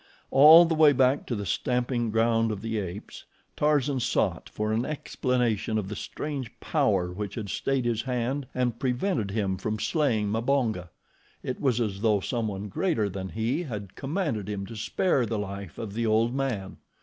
All the way back to the stamping ground of the apes, Tarzan sought for an explanation of the strange power which had stayed his hand and prevented him from slaying Mbonga. It was as though someone greater than he had commanded him to spare the life of the old man.